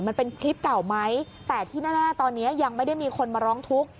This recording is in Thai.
มันเป็นคลิปเก่าไหมแต่ที่แน่ตอนนี้ยังไม่ได้มีคนมาร้องทุกข์